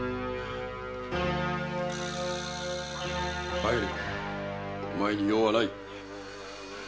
帰れお前に用はない！